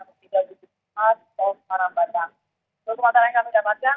satu kompil dan dua kompensi turun